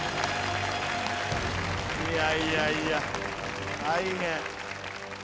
いやいやいや大変。